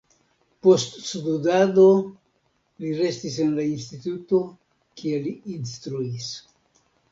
Post studado li restis en la instituto, kie li instruis.